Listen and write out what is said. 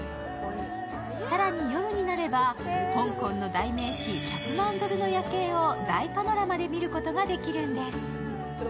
更に、夜になれば香港の代名詞、１００万ドルの夜景を大パノラマで見ることができるんです。